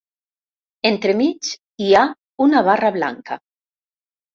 Entremig hi ha una barra blanca.